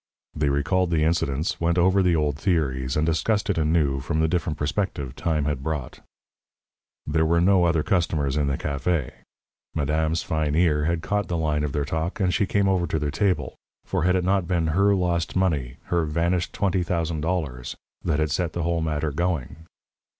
They recalled the incidents, went over the old theories, and discussed it anew from the different perspective time had brought. There were no other customers in the café. Madame's fine ear had caught the line of their talk, and she came over to their table for had it not been her lost money her vanished twenty thousand dollars that had set the whole matter going?